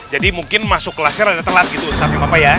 jadi mungkin masuk kelasnya agak telat gitu ustaznya bapak ya